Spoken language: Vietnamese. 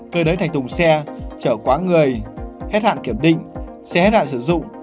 cơ đới thành tùng xe chở quá người hết hạn kiểm định xe hết hạn sử dụng